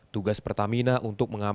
tugas pertamina untuk mengamankan